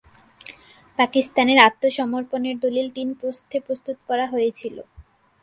পাকিস্তানের আত্মসমর্পণের দলিল তিন প্রস্থে প্রস্তুত করা হয়েছিল।